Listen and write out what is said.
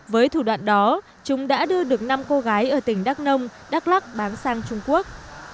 với thủ đoạn đó chúng đã đưa được năm cô gái ở tỉnh đắk nông đắk lắc bán sang trung quốc